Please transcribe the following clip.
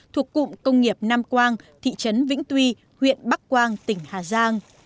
thuộc cụm công nghiệp nam quang thị trấn vĩnh tuy huyện bắc quang tỉnh hà giang